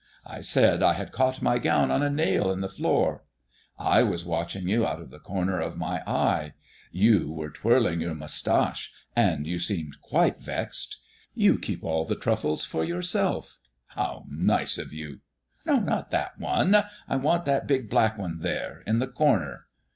I said I had caught my gown on a nail in the door. I was watching you out of the corner of my eye. You were twirling your mustache, and you seemed quite vexed. You keep all the truffles for yourself, how nice of you! Not that one; I want that big black one there, in the corner.